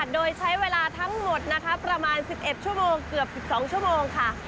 โดยใช้เวลาทั้งหมดนะคะประมาณ๑๑ชั่วโมงเกือบ๑๒ชั่วโมงค่ะ